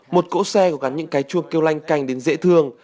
một cỗ xe có gắn những cái chuông kêu lanh canh đến dễ thương